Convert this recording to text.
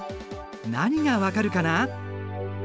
何が分かるかな？